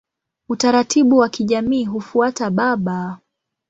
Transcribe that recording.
Utaratibu wa kijamii hufuata baba.